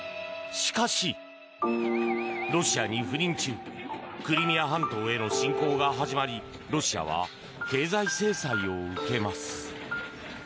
しかし、ロシアに赴任中クリミア半島への侵攻が始まりロシアは経済制裁を受けます。